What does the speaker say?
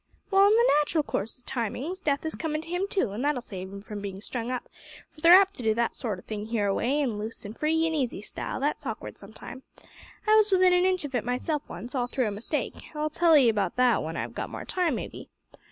"Well, in the nat'ral course o' timings, death is comin' to him too, an' that'll save him from bein' strung up for they're apt to do that sort o' thing hereaway in a loose free an easy style that's awkward sometime. I was within an inch of it myself once, all through a mistake I'll tell 'ee about that when I've got more time, maybe.